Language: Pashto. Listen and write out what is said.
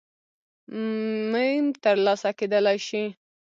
م ترلاسه کېدلای شي